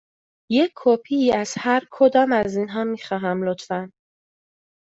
یک کپی از هر کدام از اینها می خواهم، لطفاً.